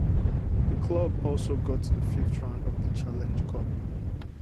The club also got to the fifth round of the Challenge Cup.